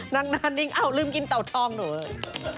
นานนิ่งอ้าวลืมกินเต่าทองหนูเลย